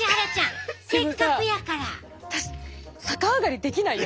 私逆上がりできないよ？